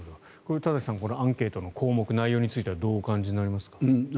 田崎さん、アンケートの項目、内容についてはどうお感じになりますか。